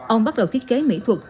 ông bắt đầu thiết kế mỹ thuật